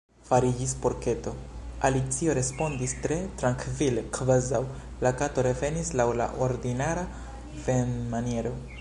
"Fariĝis porketo," Alicio respondis tre trankvile, kvazaŭ la Kato revenis laŭ la ordinara venmaniero.